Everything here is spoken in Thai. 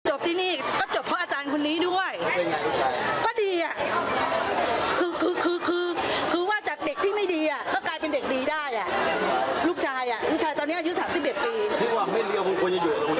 จบที่นี่ก็จบเพราะอาจารย์คนนี้ด้วยก็ดีอ่ะคือคือคือคือคือคือว่าจากเด็กที่ไม่ดีอ่ะก็กลายเป็นเด็กดีได้อ่ะลูกชายอ่ะลูกชายตอนเนี้ยอายุสามสิบเอ็ดปี